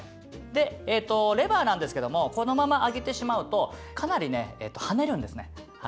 でレバーなんですけどもこのまま揚げてしまうとかなりねはねるんですね。